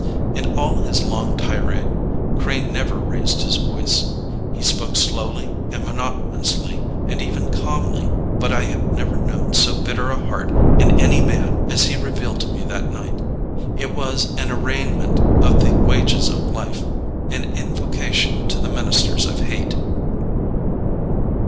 In all his long tirade, Crane never raised his voice; he spoke slowly and monotonously and even calmly, but I have never known so bitter a heart in any man as he revealed to me that night. It was an arraignment of the wages of life, an invocation to the ministers of hate.